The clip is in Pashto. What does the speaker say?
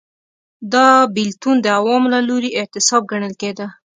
دا بېلتون د عوامو له لوري اعتصاب ګڼل کېده.